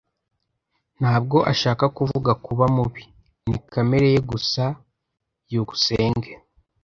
Ntabwo ashaka kuvuga kuba mubi. Ni kamere ye gusa. byukusenge